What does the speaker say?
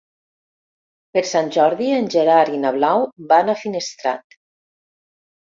Per Sant Jordi en Gerard i na Blau van a Finestrat.